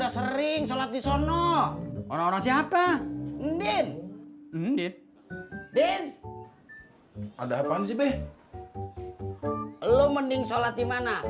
sering sholat di sono orang orang siapa mending mending ada apaan sih lo mending sholat dimana